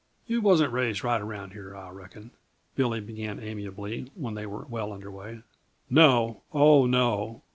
"You wasn't raised right around here, I reckon," Billy began amiably, when they were well under way. "No oh, no.